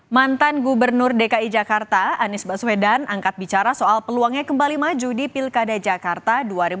mantan gubernur dki jakarta anies baswedan angkat bicara soal peluangnya kembali maju di pilkada jakarta dua ribu delapan belas